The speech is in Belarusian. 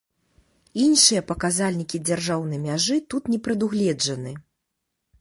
Іншыя паказальнікі дзяржаўнай мяжы тут не прадугледжаны.